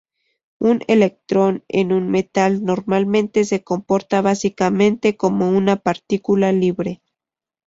Un electrón en un metal normalmente se comporta básicamente como una partícula libre.